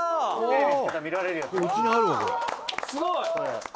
「すごい！」